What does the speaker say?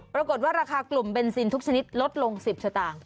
ปรากฏว่าราคากลุ่มเบนซินทุกชนิดลดลง๑๐สตางค์